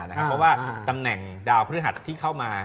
เพราะว่าตำแหน่งดาวพฤหัสที่เข้ามา